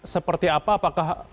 seperti apa apakah